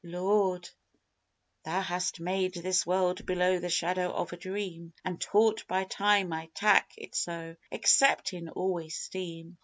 Lord, Thou hast made this world below the shadow of a dream, An', taught by time, I tak' it so exceptin' always Steam.